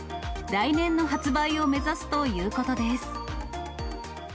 来年の発売を目指すということです。